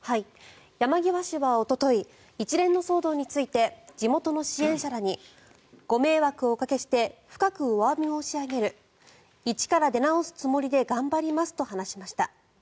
山際氏はおととい一連の騒動について地元の支援者らにご迷惑をおかけして深くおわび申し上げる一から出直すつもりで頑張りますと話しました。